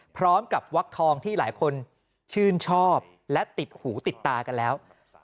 วักทองที่หลายคนชื่นชอบและติดหูติดตากันแล้ว